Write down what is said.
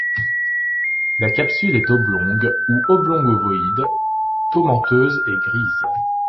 La capsule est oblongue ou oblongue-ovoïde, tomenteuse et grise.